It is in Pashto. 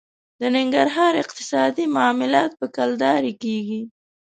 د ننګرهار اقتصادي معاملات په کلدارې کېږي.